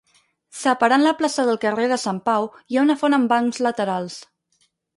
Separant la plaça del carrer de Sant Pau hi ha una font amb bancs laterals.